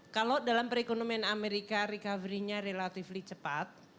kalau dalam perekonomian amerika recovery nya relatively cepat